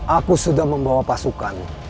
aku sudah membawa pasukan